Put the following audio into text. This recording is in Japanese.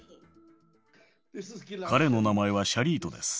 彼の名前はシャリートです。